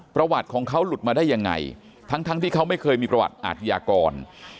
ประวัติของเขาหลุดมาได้ยังไงทั้งที่เขาไม่เคยมีประวัติอาทยากร